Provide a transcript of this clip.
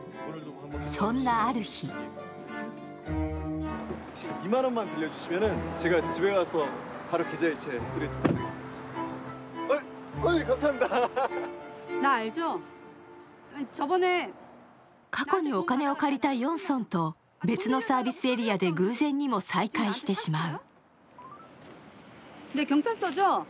そんなある日過去にお金を借りたヨンソンと別のサービスエリアで偶然にも再会してしまう。